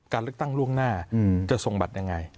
การเลือกตั้งล่วงหน้าจะส่งบัตรยังไง